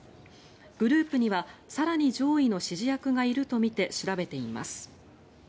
グループには更に上位の指示役がいるとみて調べています。